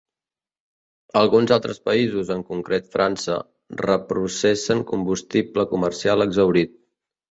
Alguns altres països, en concret França, reprocessen combustible comercial exhaurit.